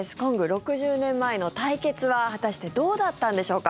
６０年前の対決は果たしてどうだったんでしょうか。